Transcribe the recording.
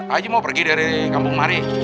aji mau pergi dari kampung mari